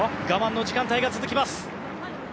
我慢の時間帯が続きます。